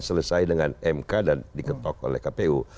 selesai dengan mk dan diketok oleh kpu